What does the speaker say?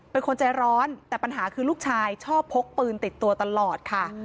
เป็นคนใจร้อนแต่ปัญหาคือลูกชายชอบพกปืนติดตัวตลอดค่ะ